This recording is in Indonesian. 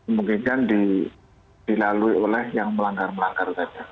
mungkin dilalui oleh yang melanggar melanggar saja